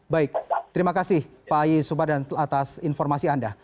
baik terima kasih pak ayyis subah dan atas informasi anda